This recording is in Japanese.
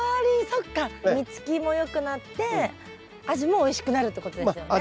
そっか実つきもよくなって味もおいしくなるってことですよね。